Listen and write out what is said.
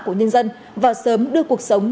của nhân dân và sớm đưa cuộc sống